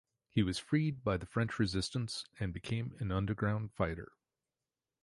He was freed by the French Resistance and became an underground fighter.